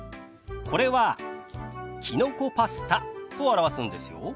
これは「きのこパスタ」と表すんですよ。